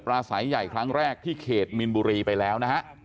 สายใหญ่ครั้งแรกที่เขตมินบุรีไปแล้วนะฮะ